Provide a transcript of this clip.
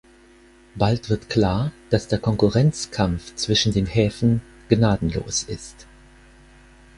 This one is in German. Bald wird klar, dass der Konkurrenzkampf zwischen den Häfen gnadenlos ist.